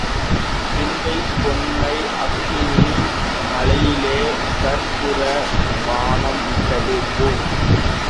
வெண்ணெய்ப் பொம்மை, அக்கினி மலையிலே கற்பூர பாணம் விட்டது போல்.